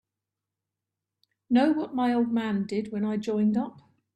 Know what my old man did when I joined up?